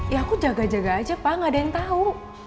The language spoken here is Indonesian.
ya aku jaga jaga aja pak gak ada yang tahu